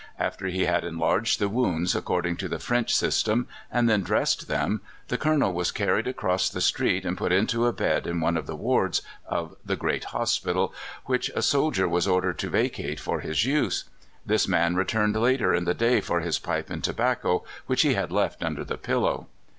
After he had enlarged the wounds, according to the French system, and then dressed them, the Colonel was carried across the street and put into a bed in one of the wards of the great hospital, which a soldier was ordered to vacate for his use. This man returned later in the day for his pipe and tobacco, which he had left under the pillow.